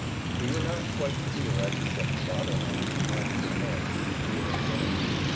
We were not quite clear as to the "fatherland" we had to "defend" here in France.